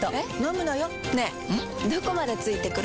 どこまで付いてくる？